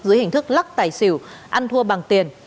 dưới hình thức lắc tài xỉu ăn thua bằng tiền